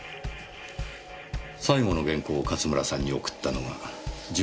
最後の原稿を勝村さんに送ったのが１１月２日。